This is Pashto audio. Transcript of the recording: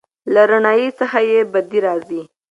له رڼایي څخه یې بدې راځي.